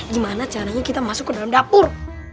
gimana caranya kita masuk ke dalam dapur